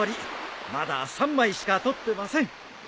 まだ３枚しか撮ってません。